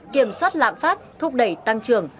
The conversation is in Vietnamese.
kiểm soát lạm phát thúc đẩy tăng trưởng